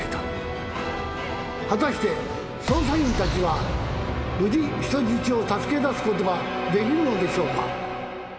果たして捜査員たちは無事人質を助けだすことができるのでしょうか？